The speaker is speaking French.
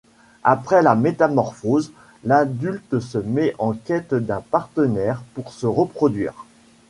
Après la métamorphoses, l'adulte se met en quête d'un partenaire pour se reproduire.